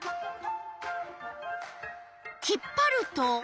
引っぱると。